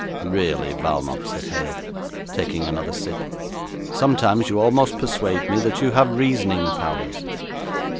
'Really, Valmont,' said Hale, taking another sip, 'sometimes you almost persuade me that you have reasoning powers.'